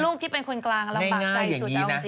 ที่เป็นคนกลางลำบากใจสุดเอาจริง